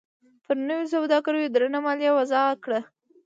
پر نویو سوداګرو درنه مالیه وضعه کړه.